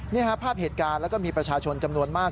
ภาพเหตุการณ์แล้วก็มีประชาชนจำนวนมาก